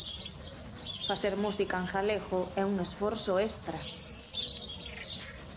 Facer música en galego é un esforzo extra.